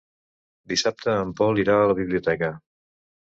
Dissabte en Pol irà a la biblioteca.